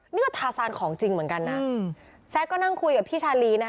นี่ก็ทาซานของจริงเหมือนกันนะแซ็กก็นั่งคุยกับพี่ชาลีนะคะ